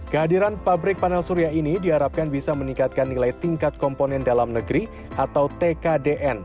kehadiran pabrik panel surya ini diharapkan bisa meningkatkan nilai tingkat komponen dalam negeri atau tkdn